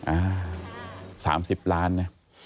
อ้า๓๐ล้านเนี่ย